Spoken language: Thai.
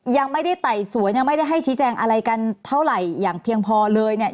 ยังไม่ได้ไต่สวนยังไม่ได้ให้ชี้แจงอะไรกันเท่าไหร่อย่างเพียงพอเลยเนี่ย